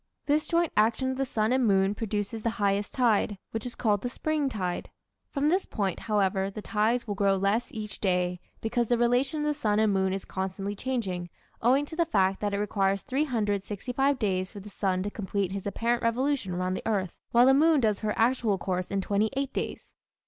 This joint action of the sun and moon produces the highest tide, which is called the "spring" tide. From this point, however, the tides will grow less each day, because the relation of the sun and moon is constantly changing, owing to the fact that it requires 365 days for the sun to complete his apparent revolution around the earth, while the moon does her actual course in twenty eight days.